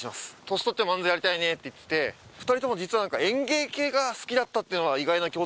「年取っても漫才やりたいね」って言ってて２人とも実は演芸系が好きだったっていうのは意外な共通点でありましたね。